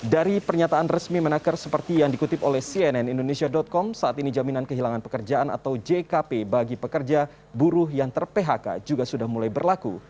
dari pernyataan resmi menaker seperti yang dikutip oleh cnn indonesia com saat ini jaminan kehilangan pekerjaan atau jkp bagi pekerja buruh yang ter phk juga sudah mulai berlaku